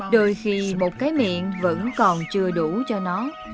đôi khi một cái miệng vẫn có thể vơ vét được